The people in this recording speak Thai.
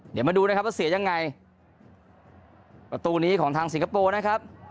เดี๋ยวมาดูนะครับว่าเสียยังไงประตูนี้ของทางสิงคโปร์นะครับ